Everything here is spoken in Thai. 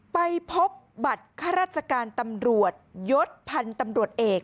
ไปพบบัตรข้าราชการตำรวจยศพันธุ์ตำรวจเอก